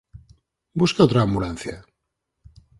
Busque outra ambulancia!